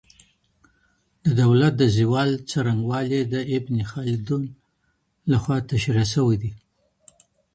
د دولت د زوال څرنګوالی د ابن خلدون لخوا تشریح سوی؟